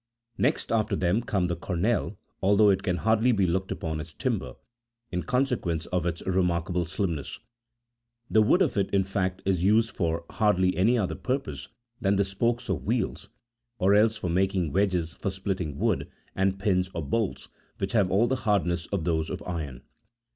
Next after them comes the cornel, although it can hardly be looked upon as timber, in consequence of its remarkable slimness ; the wood of it, in fact, is used for hardly any other purpose than the spokes of wheels, or else for mak ing wedges for splitting wood, and pins or bolts, which have all the hardness of those of iron.